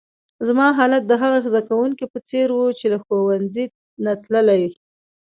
زما حالت د هغه زده کونکي په څېر وو، چي له ښوونځۍ نه تللی.